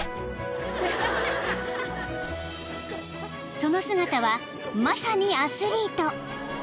［その姿はまさにアスリート］